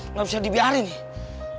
nggak bisa dibiarin nih